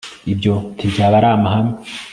ibyo ntibyaba ari amahame